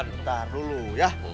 bentar dulu ya